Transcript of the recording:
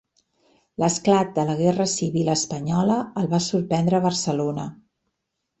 L'esclat de la guerra civil espanyola el va sorprendre a Barcelona.